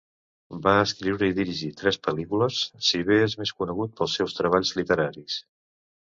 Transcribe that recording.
Va escriure i dirigir tres pel·lícules, si bé és més conegut pels seus treballs literaris.